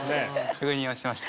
確認をしてました。